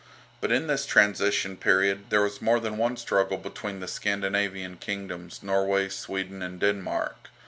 But in this transition period there was more than one struggle between the Scandinavian kingdoms, Norway, Sweden, and Denmark.